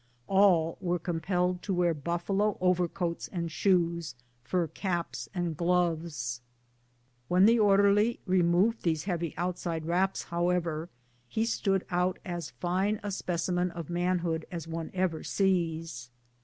All were compelled to wear buffalo overcoats and shoes, fur caps and gloves. GARRISON LIFE. 147 Wlieii the orderly removed these heavy outside wraps, however, he stood out as fine a specimen of manhood as one ever sees.